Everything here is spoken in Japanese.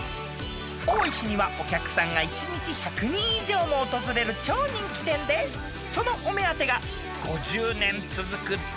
［多い日にはお客さんが１日１００人以上も訪れる超人気店でそのお目当てが５０年続く絶品スペアリブ］